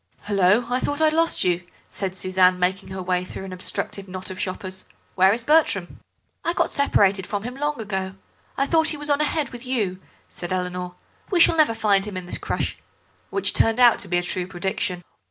"Hullo, I thought I had lost you," said Suzanne, making her way through an obstructive knot of shoppers. "Where is Bertram?" "I got separated from him long ago. I thought he was on ahead with you," said Eleanor. "We shall never find him in this crush." Which turned out to be a true prediction.